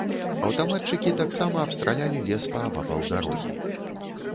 Аўтаматчыкі таксама абстралялі лес паабапал дарогі.